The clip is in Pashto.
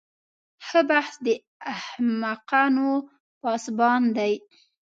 ښه بخت د احمقانو پاسبان دی.